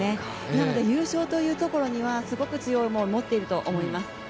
なので優勝というところにはすごく強い思いを持っていると思います。